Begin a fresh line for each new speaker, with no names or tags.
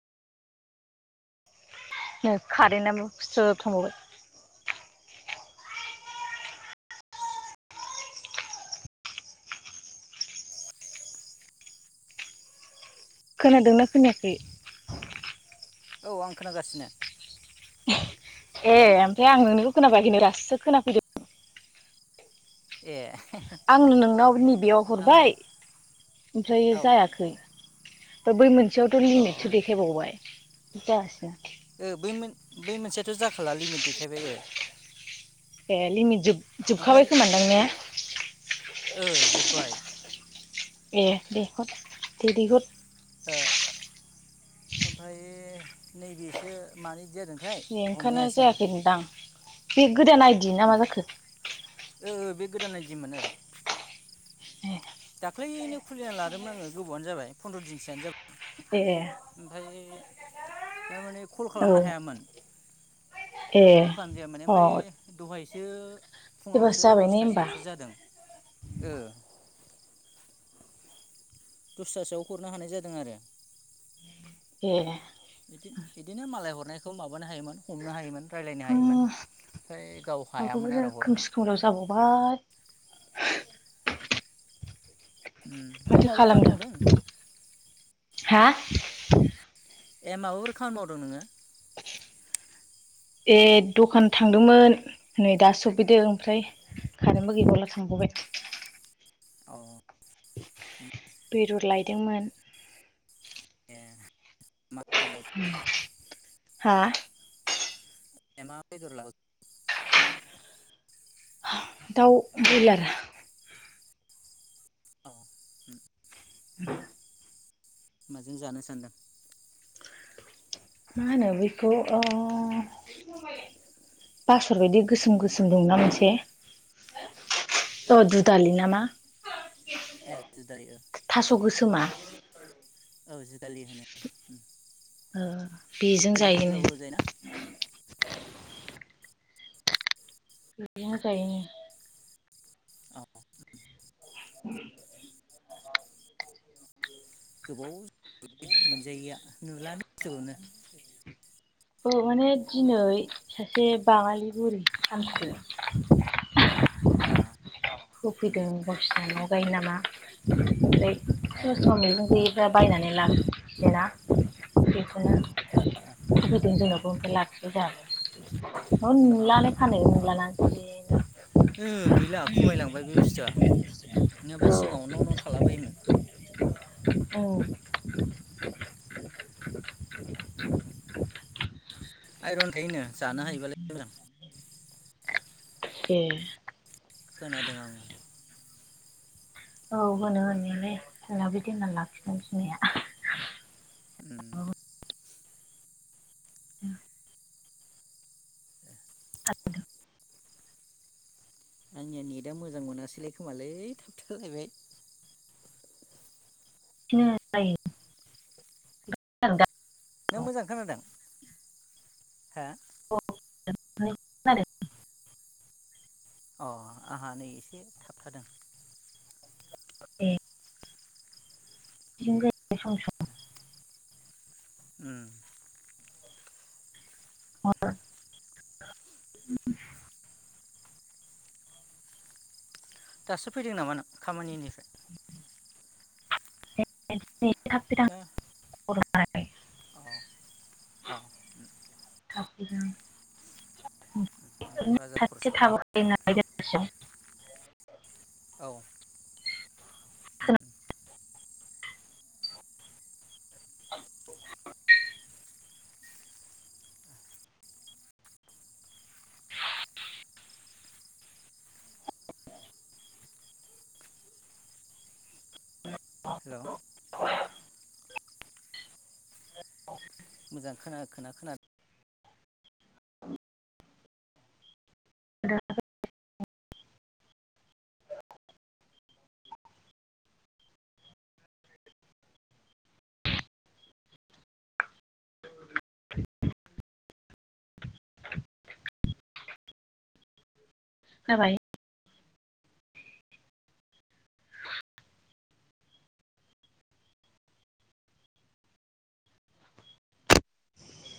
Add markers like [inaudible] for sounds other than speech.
खारेन्टआबो खस्थ थांबावबाय खोनादोंना खोनायाखै?
औ आं खोनागासिनो।
ए
हेलौ
ओमफ्राय आं नोंनिखौ खोनाफैयाखैनो दाससो खोनाफैदों।
ए
आं नोंनाव नैबेयाव
आं
हरबाय ओमफ्राय
औ
जायाखै दा बै मोनसेयावथ'
औ
लिमिटसो
ओ
देखायबावबाय जागासिनो
बै मोन बै मोनसेयाथ' जाखोला लिमिट देखायबाय ओ
ए लिमिट जोब
ओमफ्राय
जोबखाबाय खोमादां ने?
ओ जोब्बाय
ए दे हद दे हद
ओ ओमफ्राय नैबेसो मानो इदिजादों
बे ओंखायनो जायाखै नोंदां बे गोदान आइदि ना
उम
मा जाखो?
ओ बे गोदान आइदिमोन ओ
ए
दाख्लैनो खुलिना लादोंमोन आङो गोबावानो जाबाय फन्द्र' दिनसोआनो जाबाय
ए
ओफ्राय थारमाने कल
औ
खालामनो हायामोन
ए
कल खालाम जायामाने
अ
ओमफ्राय दहाय सो फुङावसो
एबारसो जाबाय ने होमबा
दसथासोआवसो जादों ओ दसथासोआव हरनो हानाय जादों आरो।
ए
बिदि बिदिनो मालाय हरनायखौ माबानो हायोमोन हमनो हायोमोन रायलायनो हायोमोन
उम
ओमफ्राय गाव हायामोन
माबाफोरा
आरो हरनो
खोमसि खोमल' जाबावबाय
उम नों
माथो
माबा खामानि
खालामनो
मावदों?
हा
ए माबाफोर खामानि मावदों नोङो?
ए दखान थांदोंमोन नै दा सफैदो ओमफ्राय कारेेनटबो गैबावला थांबावो [unintelligible]
औ
बेदर लायदोंमोन
ए मा बेदर लायखो
हा
ए मा बेदर लाबो
दाउ ब्रयलार
औ
[unintelligible]
माजों जानो सानदों
मा होनो बैखौ ओ बासर बायदि गोसोम गोसोम दंना मोनसे
ओ
दुदालि ना मा
ए दुदालि ओ
थास' गोसोमा
औ दुदालि होनो
ओ बेजों
गिदिर गिदिर गोलाव
जायोनो
गोलाव जायोना
बेनो जायनो
अ
[unintelligible]
गोबाव जाबाय मोनजायैया नुलानो बुसतुखौनो
औ माने दिनै सासे बाङालि बुरि हानस
अ उम
होफैदों गसानाव गायो नामा ओमफ्राय
अ ओ
सम सम मै जायो बायनानै लाबोयोना नो होदों जोंनावबो ओमफ्राय लाखिबाय जोंना
ओ अ
नुलानो फाननायखौ नुला
ओ गैला खमायलांबाय बे बुस्थुआ नङाबा सिगाङाव न' न' थालाबायोमोन
औ
आइरन थायोनो जानो हायोबालाय मोजां।
ए
खोनादों आङो।
औ होनो होननायालै जोंनाबो बिदि होनना लाखिदों बिमाया
उ आंनिया नेटआ मोजां मोनासैलाय खोमालै थाबथालायबाय।
[unintelligible]
नों
आरो
मोजां खोनादों हो?
[unintelligible]
अ आंहा नै एसे थाबथादों।
ए। [unintelligible]
[inaudible] उम।
[unintelligible]
दासो फैदों नामा नों खामानिफ्राय?
[unintelligible]
औ औ। ओमफ्राय बाजार
[unintelligible]
खरस खालामहै
[unintelligible]
औ। हेल'। मोजां खोना खोना खोना।
खोनाबाय।